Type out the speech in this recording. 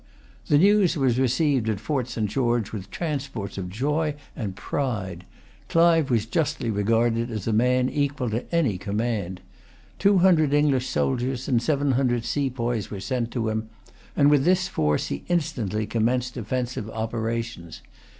The news was received at Fort St. George with transports of joy and pride. Clive was justly regarded as a man equal to any command. Two hundred English soldiers and seven hundred sepoys were sent to him, and with this force he instantly commenced offensive operations.